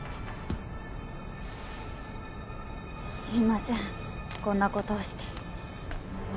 すいませんこんなことをして